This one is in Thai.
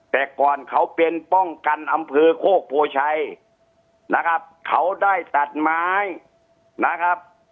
แต่ก่อนเขาเป็นป้องกันอำเภอโคกโพชัยนะครับเขาได้ตัดไม้นะครับ